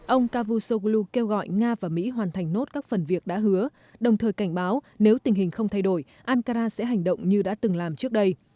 ông cavusoglu kêu gọi nga và mỹ hoàn thành nốt các phần việc đã hứa đồng thời cảnh báo nếu tình hình không thay đổi ankara sẽ hành động như đã từng làm trước đây